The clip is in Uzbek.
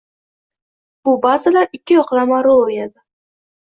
Bu bazalar ikki yoqlama rol o‘ynadi: